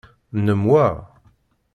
Nnem wa?